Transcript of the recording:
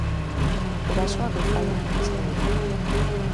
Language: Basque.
Erasoak goizaldean jazo dira.